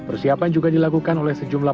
persiapan juga dilakukan oleh sejumlah